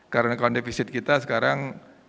karena kondifisit kita sekarang